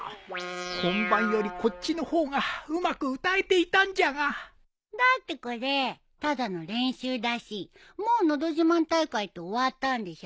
本番よりこっちの方がうまく歌えていたんじゃがだってこれただの練習だしもうのど自慢大会って終わったんでしょ？